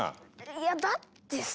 いやだってさ。